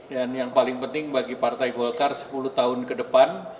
yang paling penting bagi partai golkar sepuluh tahun ke depan